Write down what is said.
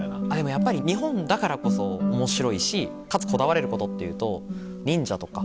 やっぱり日本だからこそ面白いしかつこだわれることっていうと忍者とか。